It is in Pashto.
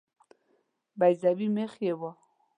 بیضوي مخ یې وو.